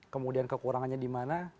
kemudian kekurangannya di mana